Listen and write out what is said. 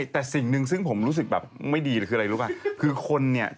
แต่สิ่งนึงที่ผมรู้สึกแบบไม่ดีคืออะไรล่ะ